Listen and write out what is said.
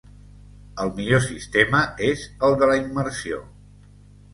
El millor sistema és el de la immersió.